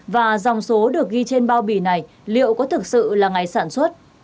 và dòng số được ghi trên bao bì này liệu có thực sự là ngày sản xuất